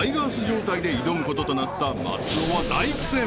状態で挑むこととなった松尾は大苦戦］